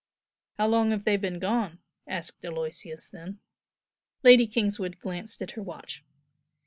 "How long have they been gone?" asked Aloysius then. Lady Kingswood glanced at her watch.